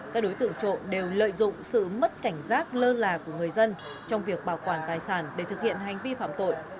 các đối tượng trộm đều lợi dụng sự mất cảnh giác lơ là của người dân trong việc bảo quản tài sản để thực hiện hành vi phạm tội